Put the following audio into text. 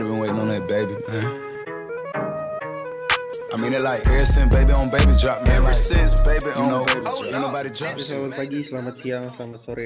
selamat pagi selamat siang selamat sore